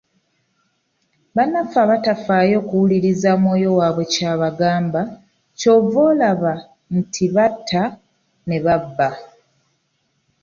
Bannaffe abatafaayo kuwuliriza mwoyo waabwe ky’abagamba, ky'ova olaba nti batta, ne babba